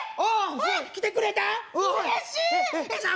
来てくれたん？